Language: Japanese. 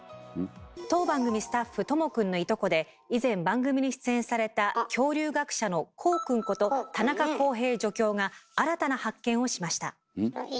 当番組スタッフとも君のいとこで以前番組に出演された恐竜学者のこう君こと田中康平助教が新たな発見をしました。